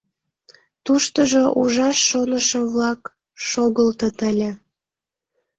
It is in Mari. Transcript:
Туштыжо ужаш шонышо-влак шогылтыт ыле.